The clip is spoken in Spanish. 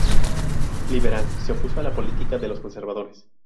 Liberal, se opuso a la política de los conservadores.